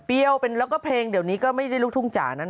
เปรี้ยวแล้วก็เพลงเดี๋ยวนี้ก็ไม่ได้รู้ทุ่งจาน